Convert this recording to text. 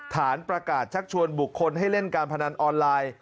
ฐานประกาศชักชวนบุคคลให้เล่นการพนันออนไลน์